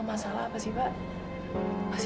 masalah apa sih pak